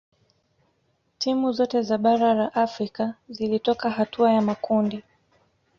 timu zote za bara la afrika zilitoka hatua ya makundi